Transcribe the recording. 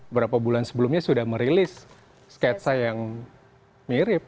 berapa bulan sebelumnya sudah merilis sketsa yang mirip